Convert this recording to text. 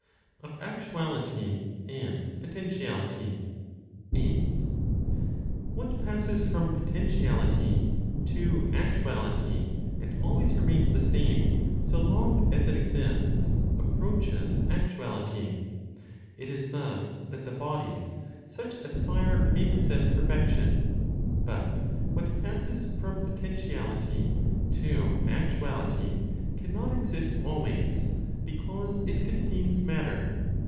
OF ACTUALITY AND POTENTIALITY. 8. What passes from potentiality to actuality, and always remains the same so long as it exists, approaches actuality. It is thus that the bodies such as fire may possess perfection. But what passes from potentiality to actuality cannot exist always, because it contains matter.